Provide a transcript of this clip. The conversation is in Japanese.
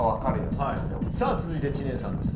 さあ続いて知念さんです。